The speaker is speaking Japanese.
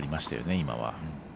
今は。